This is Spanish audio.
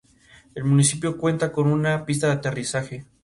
El municipio cuenta con una pista de aterrizaje.